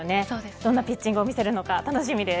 どんなピッチングを見せるのか楽しみです。